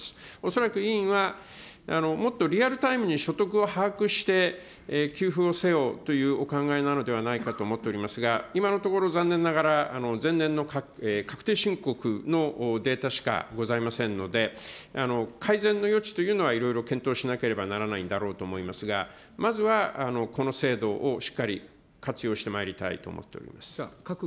恐らく委員は、もっとリアルタイムに所得を把握して、給付をせよというお考えなのではないかと思っておりますが、今のところ、残念ながら、前年の確定申告のデータしかございませんので、改善の余地というのはいろいろ検討しなければならないんだろうと思いますが、まずはこの制度をしっかり活用してまいりたいと思っております。